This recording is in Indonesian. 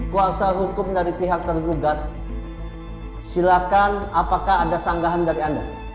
kuasa hukum dari pihak tergugat silakan apakah ada sanggahan dari anda